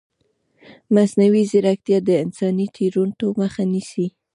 مصنوعي ځیرکتیا د انساني تېروتنو مخه نیسي.